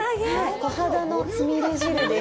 コハダのつみれ汁です。